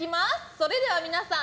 それでは皆さん